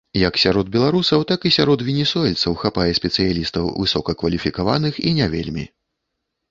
Як сярод беларусаў, так і сярод венесуэльцаў хапае спецыялістаў высокакваліфікаваных і не вельмі.